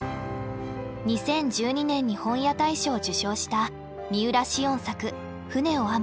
２０１２年に本屋大賞を受賞した三浦しをん作「舟を編む」。